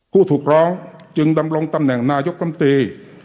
ผู้ถูกร้องจึงดำรงตำแหน่งนายกรรมตรี